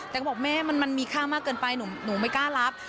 แต่ก็บอกแม่มันมีค่ามากเกินไปหนูไม่กล้ารับ